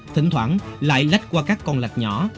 thỉnh thoảng lại lách qua các con lạch nhỏ